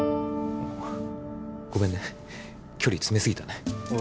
ごめんね距離詰めすぎたねああ